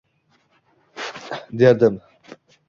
Derdim: